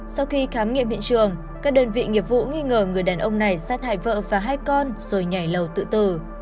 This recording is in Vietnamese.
sau khi khám nghiệm hiện trường các đơn vị nghiệp vụ nghi ngờ người đàn ông này sát hại vợ và hai con rồi nhảy lầu tự tử